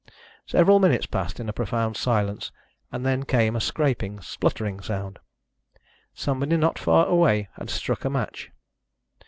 Several minutes passed in profound silence, and then there came a scraping, spluttering sound. Somebody not far away had struck a match.